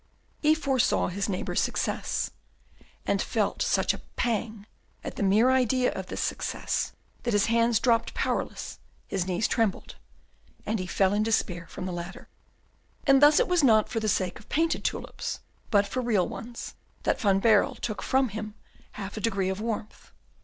He foresaw his neighbour's success, and he felt such a pang at the mere idea of this success that his hands dropped powerless, his knees trembled, and he fell in despair from the ladder. And thus it was not for the sake of painted tulips, but for real ones, that Van Baerle took from him half a degree of warmth.